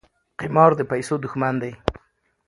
قمار د پیسو دښمن دی.